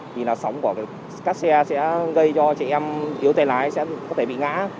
thì là sóng của các xe sẽ gây cho chị em yếu tay lái sẽ có thể bị ngã